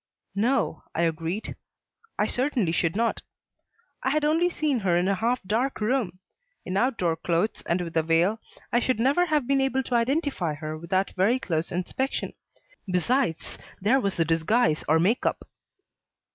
"No," I agreed, "I certainly should not. I had only seen her in a half dark room. In outdoor clothes and with a veil, I should never have been able to identify her without very close inspection. Besides there was the disguise or make up."